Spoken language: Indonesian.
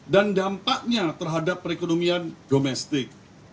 dan dampaknya terhadap perekonomian domestik